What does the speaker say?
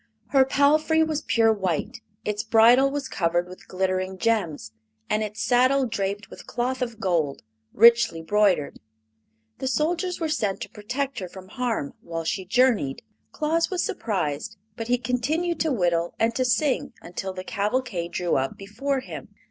Her palfrey was pure white, its bridle was covered with glittering gems, and its saddle draped with cloth of gold, richly broidered. The soldiers were sent to protect her from harm while she journeyed. Claus was surprised, but he continued to whittle and to sing until the cavalcade drew up before him.